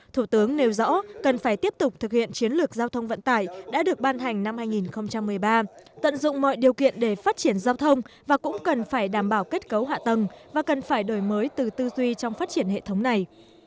thủ tướng nêu rõ cần phải tiếp tục thực hiện chiến lược giao thông vận tải đã được ban hành năm hai nghìn một mươi ba tận dụng mọi điều kiện để phát triển giao thông và cũng cần phải đảm bảo kết cấu hạ tầng và cần phải đổi mới từ tư duy trong phát triển hệ thống này